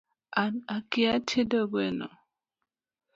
An akia tedo gweno